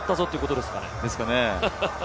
ですかね？